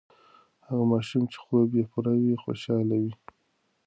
هغه ماشوم چې خوب یې پوره وي، خوشاله وي.